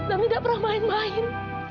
dan tidak pernah main main